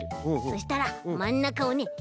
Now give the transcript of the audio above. そしたらまんなかをね